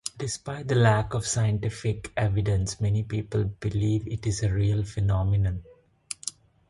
Despite the lack of scientific evidence, many people believe it is a real phenomenon.